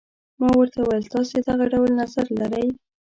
ما ورته وویل تاسي دغه ډول نظر لرئ.